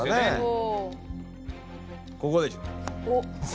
ここでしょう。